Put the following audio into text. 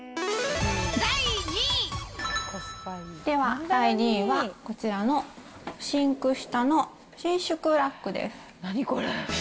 第２位。では第２位は、こちらのシンク下の伸縮ラックです。